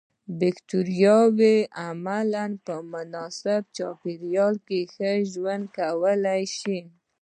بکټریاوې عموماً په مناسب چاپیریال کې ښه ژوند کولای شي.